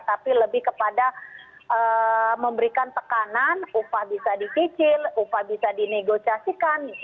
tapi lebih kepada memberikan tekanan upah bisa dicicil upah bisa dinegosiasikan